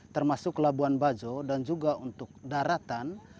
termasuk labuan bajo dan juga untuk daratan